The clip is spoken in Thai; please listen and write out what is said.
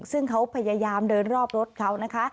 ซึ่งเขาพยายามเดินรอบรถเขานะคะ